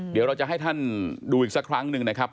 เดี๋ยวเราจะให้ท่านดูอีกสักครั้งหนึ่งนะครับ